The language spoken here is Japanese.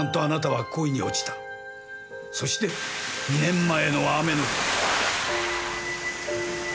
そして２年前の雨の日。